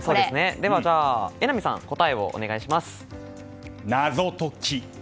では、榎並さん答えをお願いします。